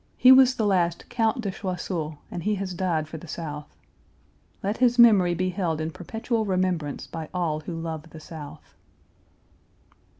He was the last Count de Choiseul, and he has died for the South." Let his memory be held in perpetual remembrance by all who love the South!